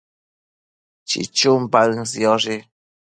chichun paën sioshi